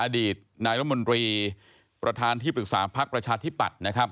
อดีตนายละมนตรีประธานที่ปรึกษาภักดิ์ประชาธิปัตย์